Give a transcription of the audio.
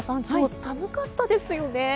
今日寒かったですよね。